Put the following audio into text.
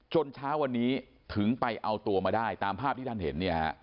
เช้าวันนี้ถึงไปเอาตัวมาได้ตามภาพที่ท่านเห็นเนี่ยฮะ